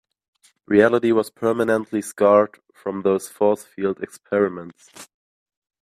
Reality was permanently scarred from those force field experiments.